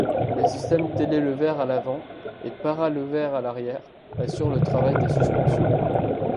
Les systèmes Telelever à l'avant et Paralever à l'arrière assurent le travail des suspensions.